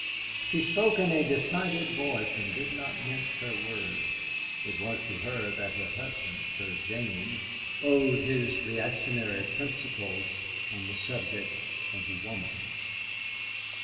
She spoke in a decided voice, and did not mince her words. It was to her that her husband, Sir James, owed his reactionary principles on the subject of woman.